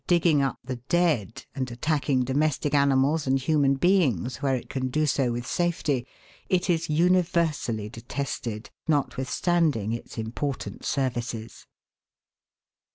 digging up the dead and attacking domestic animals and human beings where it can do so with safety, it is uni versally detested, notwithstanding its important services.